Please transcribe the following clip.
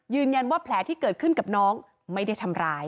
ยืนยันว่าแผลที่เกิดขึ้นกับน้องไม่ได้ทำร้าย